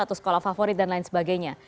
atau sekolah favorit dan lain sebagainya